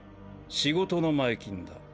仕事の前金だ。